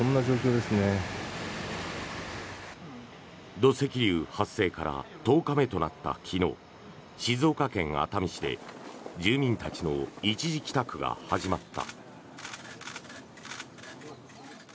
土石流発生から１０日目となった昨日静岡県熱海市で住民たちの一時帰宅が始まった。